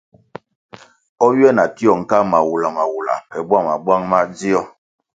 O ywia na tio nka mawula mawula pe bwama bwang madzio,